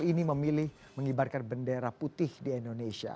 ini memilih mengibarkan bendera putih di indonesia